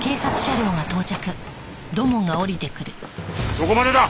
そこまでだ。